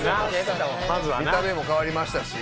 見た目も変わりましたし。